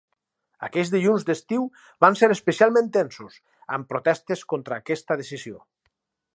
Aquells dilluns d’estiu van ser especialment tensos, amb protestes contra aquesta decisió.